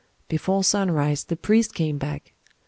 Before sunrise the priest came back.